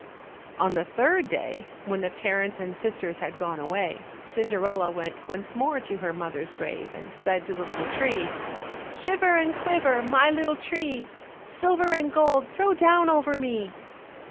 On the third day, when the parents and sisters had gone away, Cinderella went once more to her mother's grave and said to the little tree— "Shiver and quiver, my little tree, Silver and gold throw down over me."